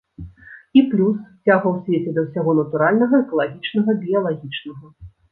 І плюс, цяга ў свеце да ўсяго натуральнага, экалагічнага, біялагічнага.